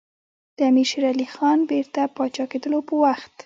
د امیر شېر علي خان بیرته پاچا کېدلو په وخت.